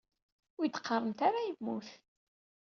Ur iyi-d-qqaremt ara yemmut.